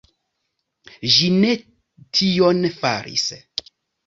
Ĝi ne tion faris.